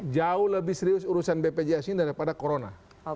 jauh lebih serius urusan bpjs ini daripada corona